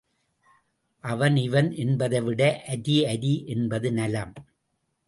அவன் இவன் என்பதைவிட அரி அரி என்பது நலம்.